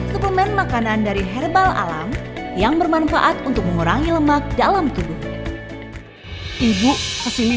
suplemen makanan dari herbal alam yang bermanfaat untuk mengurangi lemak dalam tubuh ibu kesini